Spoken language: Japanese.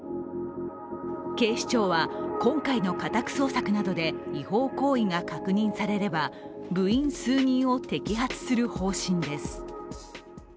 警視庁は今回の家宅捜索などで違法行為が確認されれば部員数人を摘発する方針です。